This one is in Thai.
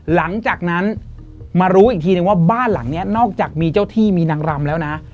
หลังจากนั้นมารู้อีกทีนึงว่าบ้านหลังนี้นอกจากมีเจ้าที่มีนางรำแล้วนะ